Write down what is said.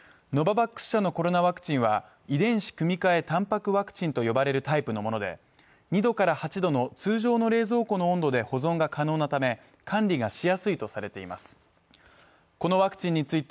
遺伝子組み換えたんぱくワクチンと呼ばれるタイプのもので２度から８度の通常の冷蔵庫の温度で保存が可能なため、管理がしやすいとされています。